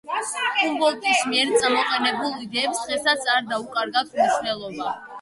ჰუმბოლდტის მიერ წამოყენებულ იდეებს დღესაც არ დაუკარგავთ მნიშვნელობა.